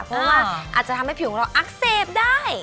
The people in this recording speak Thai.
เพราะว่าอาจจะทำให้ผิวของเราอักเสบได้